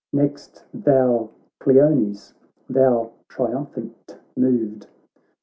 Next thou, Cleones, thou triumphant moved.